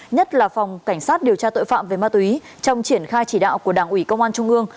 nhất là phòng cảnh sát điều tra tội phạm về ma túy trong triển khai chỉ đạo của đảng ủy công an trung ương